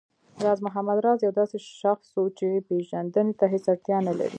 راز محمد راز يو داسې شخص و چې پېژندنې ته هېڅ اړتيا نه لري